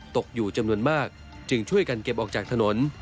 ตกอยู่จำนวนมากจึงช่วยกันเก็บออกจากถนน